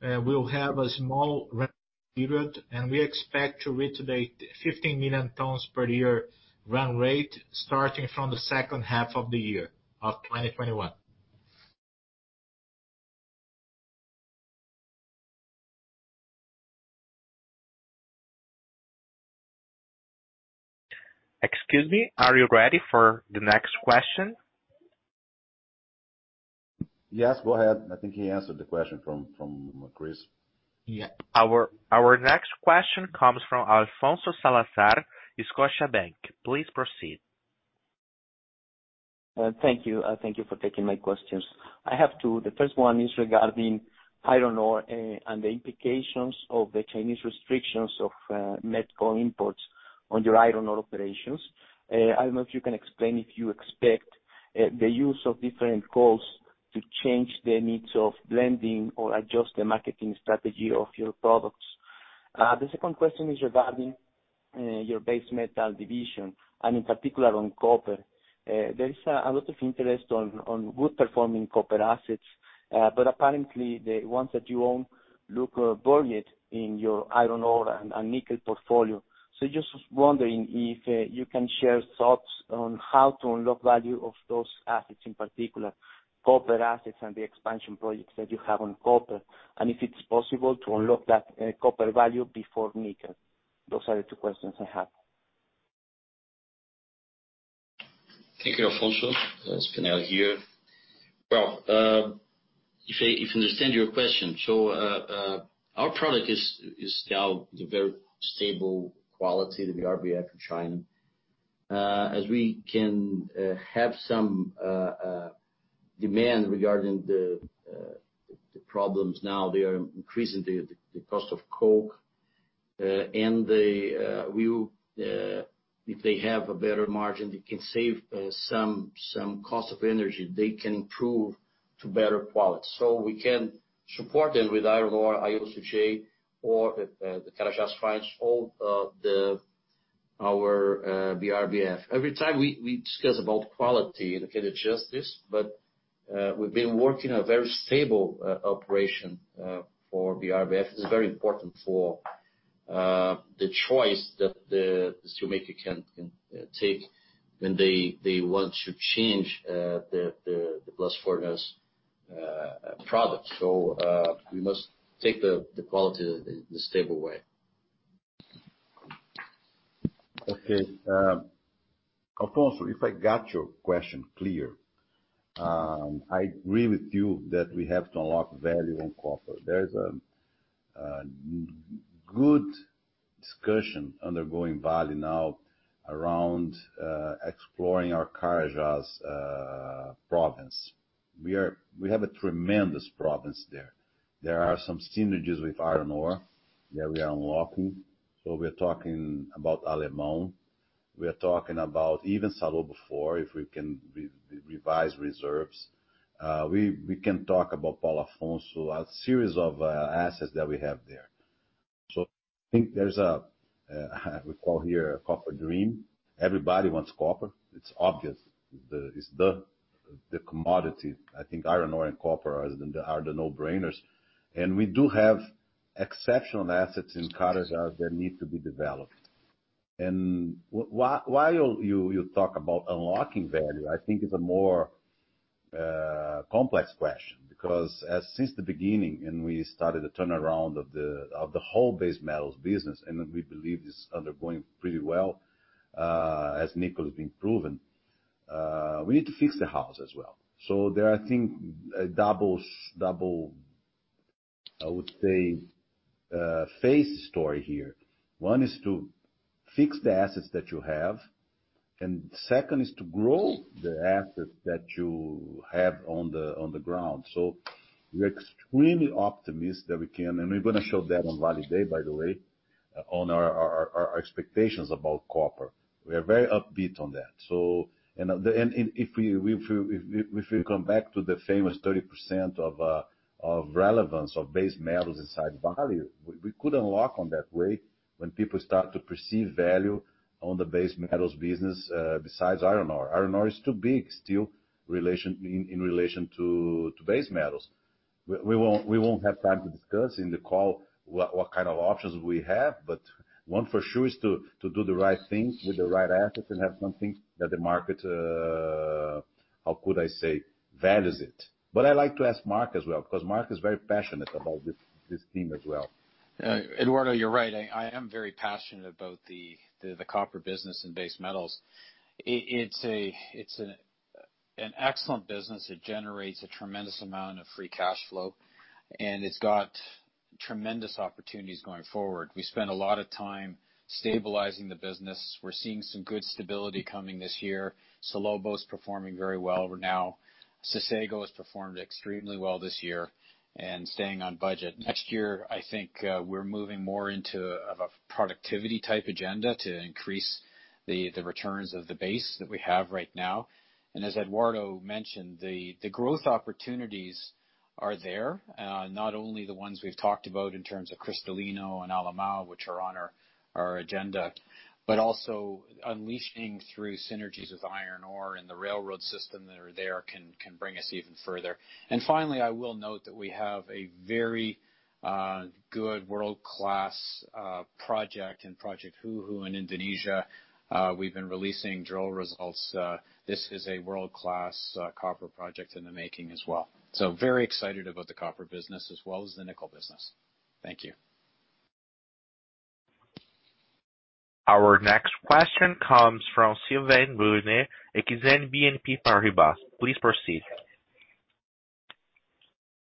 we'll have a small run period, and we expect to reach the 15 million tons per year run rate starting from the second half of the year of 2021. Excuse me, are you ready for the next question? Yes, go ahead. I think he answered the question from Chris. Yeah. Our next question comes from Alfonso Salazar, Scotiabank. Please proceed. Thank you. Thank you for taking my questions. I have two. The first one is regarding iron ore and the implications of the Chinese restrictions of met coal imports on your iron ore operations. I don't know if you can explain if you expect the use of different coals to change the needs of blending or adjust the marketing strategy of your products. The second question is regarding your base metal division and, in particular, copper. There is a lot of interest in good-performing copper assets. Apparently the ones that you own look buried in your iron ore and nickel portfolio. Just wondering if you can share thoughts on how to unlock the value of those assets, in particular copper assets and the expansion projects that you have on copper, and if it's possible to unlock that copper value before nickel. Those are the two questions I have. Thank you, Alfonso. Spinelli here. Well, if I understand your question. Our product is now the very stable quality, the BRBF in China. As we can have some demand regarding the problems now, they are increasing the cost of coke. If they have a better margin, they can save some costs on energy. They can improve to better quality. We can support them with iron ore, IOCJ or the Carajás mines, or our BRBF. Every time we discuss quality, they can adjust this, but we've been working on a very stable operation for BRBF. It's very important for the choice that the steelmaker can take when they want to change the blast furnace product. We must take the quality the stable way. Okay. Alfonso, if I got your question clear, I agree with you that we have to unlock value on copper. There's a good discussion undergoing Vale now around exploring our Carajás province. We have a tremendous province there. There are some synergies with iron ore that we are unlocking. We're talking about Alemão. We're talking about even Salobo before, if we can revise reserves. We can talk about Paulo Afonso, a series of assets that we have there. I think there's a thing we call here a "copper dream." Everybody wants copper. It's obvious. It's the commodity. I think iron ore and copper are the no-brainers. We do have exceptional assets in Carajás that need to be developed. While you talk about unlocking value, I think it's a more complex question because since the beginning, we started the turnaround of the whole base metals business, and we believe it's undergoing pretty well, as nickel has been proven. We need to fix the house as well. There, I think, is a double, I would say, phase story here. One is to fix the assets that you have, and the second is to grow the assets that you have on the ground. We're extremely optimistic that we can, and we're going to show that on Vale Day, by the way, on our expectations about copper. We are very upbeat on that. If we come back to the famous 30% of relevance of base metals inside Vale, we could unlock that rate when people start to perceive value in the base metals business besides iron ore. Iron ore is too big, still, in relation to base metals. We won't have time to discuss in the call what kind of options we have, but one for sure is to do the right things with the right assets and have something that the market, how could I say, values. I'd like to ask Mark as well, because Mark is very passionate about this team as well. Eduardo, you're right. I am very passionate about the copper business and base metals. It's an excellent business that generates a tremendous amount of free cash flow, and it's got tremendous opportunities going forward. We spent a lot of time stabilizing the business. We're seeing some good stability coming this year. Salobo is performing very well. Sossego has performed extremely well this year and is staying on budget. I think we're moving more into of a productivity-type agenda to increase the returns of the base that we have right now. As Eduardo mentioned, the growth opportunities are there, not only the ones we've talked about in terms of Cristalino and Alemão, which are on our agenda, but also unleashing synergies with iron ore and the railroad system that are there can bring us even further. Finally, I will note that we have a very good world-class project in Project Hu'u in Indonesia. We've been releasing drill results. This is a world-class copper project in the making as well. Very excited about the copper business as well as the nickel business. Thank you. Our next question comes from Sylvain Brunet, Exane BNP Paribas. Please proceed.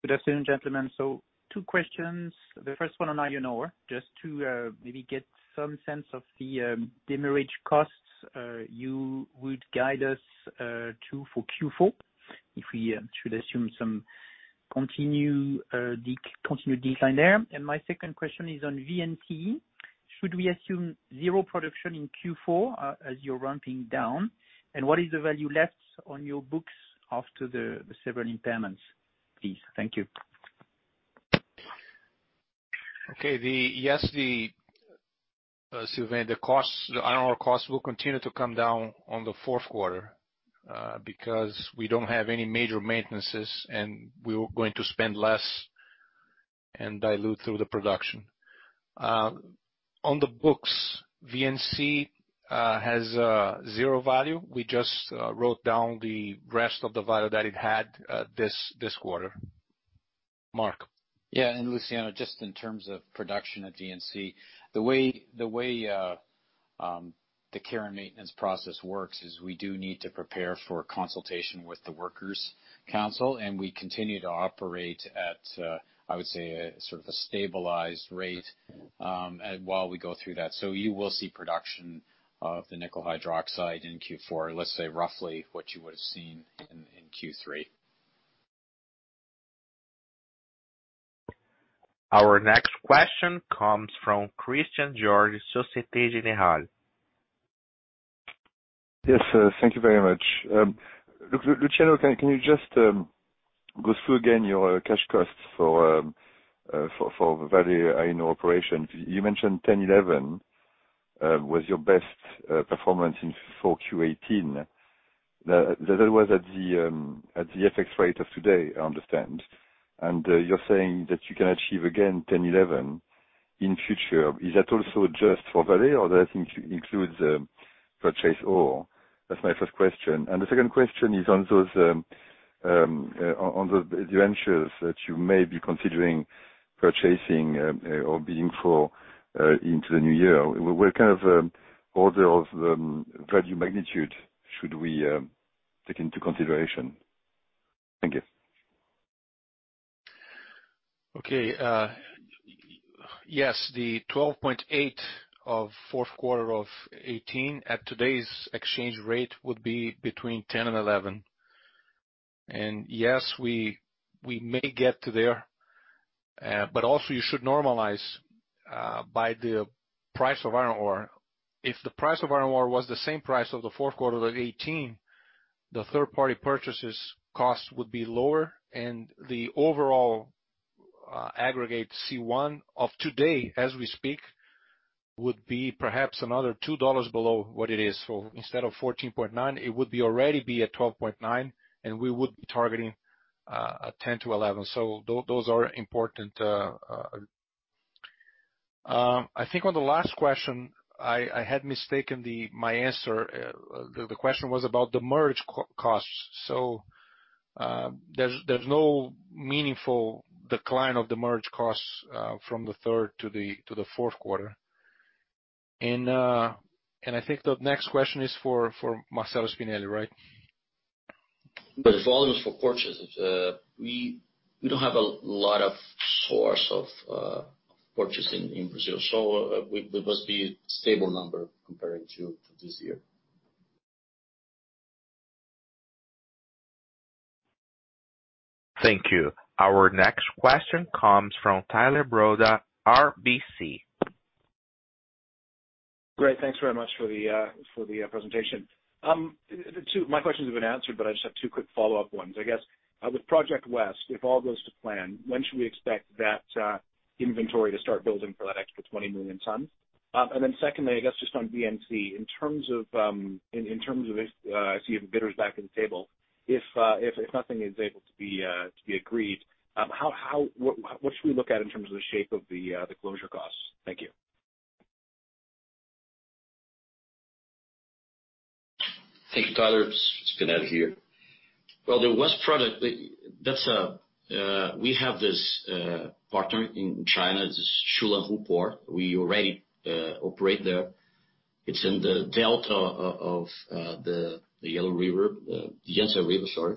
Good afternoon, gentlemen. Two questions. The first one on iron ore, just to maybe get some sense of the demurrage costs you would guide us to for Q4, if we should assume some continued decline there. My second question is on VNC: should we assume zero production in Q4 as you're ramping down? What is the value left on your books after the several impairments, please? Thank you. Okay. Yes, Sylvain, the iron ore costs will continue to come down on the fourth quarter because we don't have any major maintenance, and we're going to spend less and dilute through the production. On the books, VNC has zero value. We just wrote down the rest of the value that it had this quarter. Mark. Luciano, just in terms of production at VNC, the way the care and maintenance process works is we do need to prepare for a consultation with the workers' council; we continue to operate at a sort of a stabilized rate while we go through that. You will see production of the nickel hydroxide in Q4, let's say roughly what you would have seen in Q3. Our next question comes from Christian Georges, Societe Generale. Yes, thank you very much. Luciano, can you just go through again your cash costs for Vale iron ore operations? You mentioned $10-$11 was your best performance 4Q 2018. That was at the FX rate of today, I understand. You're saying that you can achieve again $10-$11 in the future. Is that also just for Vale, or does that include purchased ore? That's my first question. The second question is on those ventures that you may be considering purchasing or bidding for into the new year: what kind of order of value magnitude should we take into consideration? Thank you. Okay. Yes, the $12.8 of the fourth quarter of 2018 at today's exchange rate would be between $10 and $11. Yes, we may get to there. Also, you should normalize by the price of iron ore. If the price of iron ore was the same as the price of the fourth quarter of 2018, the third-party purchases cost would be lower. The overall aggregate C1 of today, as we speak, would be perhaps another $2 below what it is. Instead of $14.9, it would already be at $12.9. We would be targeting a $10-$11. Those are important. I think on the last question, I had mistaken my answer. The question was about demurrage costs. There's no meaningful decline of demurrage costs from the third-fourth quarter. I think the next question is for Marcello Spinelli, right? Volumes for purchase: we don't have a lot of sources of purchasing in Brazil, so it must be a stable number compared to this year. Thank you. Our next question comes from Tyler Broda, RBC. Great. Thanks very much for the presentation. My questions have been answered. I just have two quick follow-up ones. I guess, with Project West, if all goes to plan, when should we expect that inventory to start building for that extra 20 million tons? Secondly, I guess just on VNC, I see you have bidders back at the table. If nothing is able to be agreed upon, what should we look at in terms of the shape of the closure costs? Thank you, Tyler. Spinelli here. Well, the West product, we have this partner in China, this Shulanghu port. We already operate there. It's in the delta of the Yellow River, Yangtze River, sorry.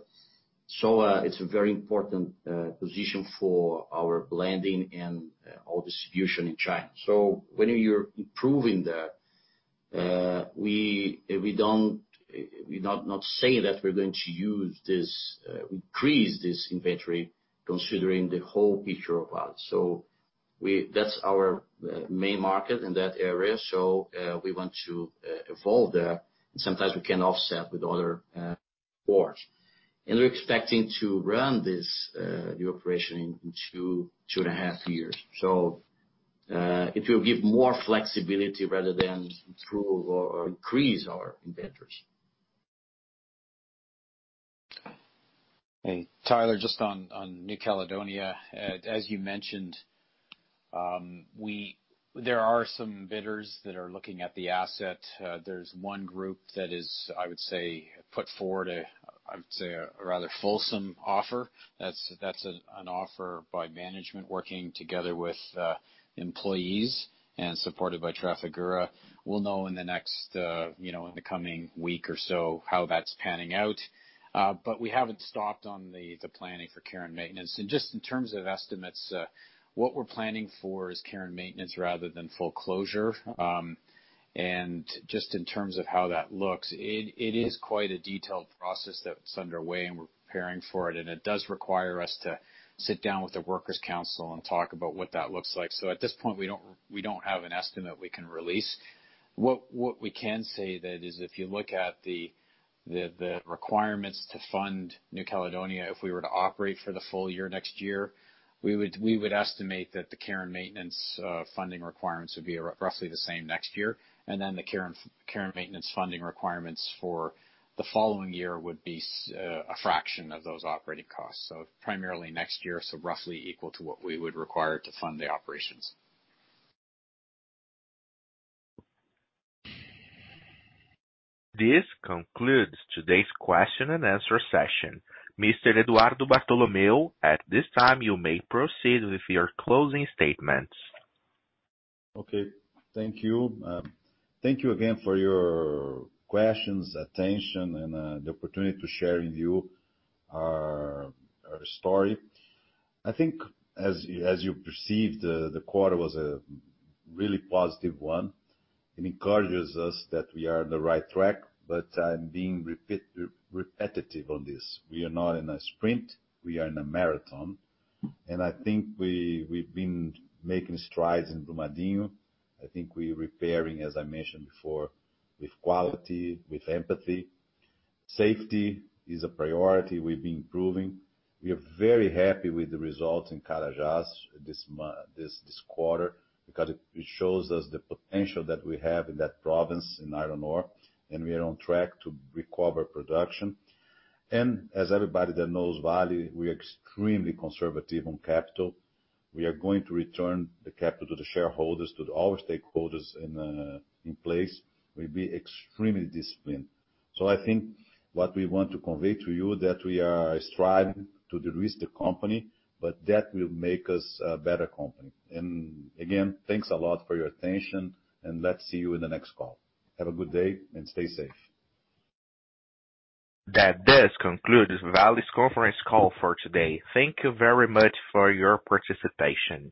It's a very important position for our blending and our distribution in China. When you're improving that, we're not saying that we're going to increase this inventory considering the whole picture of us. That's our main market in that area, so we want to evolve there, and sometimes we can offset with other ports. We're expecting to run this new operation in two and a half years. It will give more flexibility rather than improve or increase our inventories. Hey, Tyler, just on New Caledonia. As you mentioned, there are some bidders that are looking at the asset. There's one group that is, I would say, put forward a rather fulsome offer. That's an offer by management working together with employees and supported by Trafigura. We'll know in the coming week or so how that's panning out. We haven't stopped on the planning for care and maintenance. Just in terms of estimates, what we're planning for is care and maintenance rather than full closure. Just in terms of how that looks, it is quite a detailed process that's underway, and we're preparing for it, and it does require us to sit down with the workers' council and talk about what that looks like. At this point, we don't have an estimate we can release. What we can say is that if you look at the requirements to fund New Caledonia, if we were to operate for the full year next year, we would estimate that the care and maintenance funding requirements would be roughly the same next year. Then the care and maintenance funding requirements for the following year would be a fraction of those operating costs. Primarily next year, so roughly equal to what we would require to fund the operations. This concludes today's question-and-answer session. Mr. Eduardo Bartolomeo, at this time, you may proceed with your closing statements. Okay. Thank you. Thank you again for your questions, attention, and the opportunity to share with you our story. I think, as you perceived, the quarter was a really positive one and encourages us that we are on the right track, but I'm being repetitive on this. We are not in a sprint. We are in a marathon. I think we've been making strides in Brumadinho. I think we're repairing, as I mentioned before, with quality, with empathy. Safety is a priority we've been improving. We are very happy with the results in Carajás this quarter because it shows us the potential that we have in that province in iron ore, and we are on track to recover production. As everybody that knows Vale, we are extremely conservative on capital. We are going to return the capital to the shareholders and to all stakeholders in place. We'll be extremely disciplined. I think what we want to convey to you that we are striving to de-risk the company, but that will make us a better company. Again, thanks a lot for your attention, and let's see you in the next call. Have a good day, and stay safe. That does conclude Vale's conference call for today. Thank you very much for your participation.